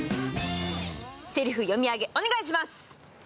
せりふ読み上げ、お願いします。